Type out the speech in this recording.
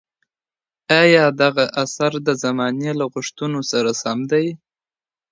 آیا دغه اثر د زمانې له غوښتنو سره سم دئ؟